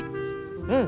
うん！